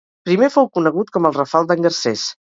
Primer fou conegut com el Rafal d'en Garcés.